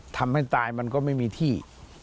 ทำให้ตายมันก็ไม่มีที่